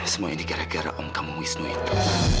semua ini gara gara om kamu wisnu itu